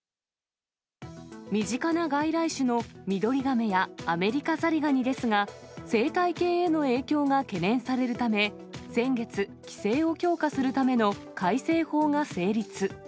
身近な外来種のミドリガメやアメリカザリガニですが、生態系への影響が懸念されるため、先月、規制を強化するための改正法が成立。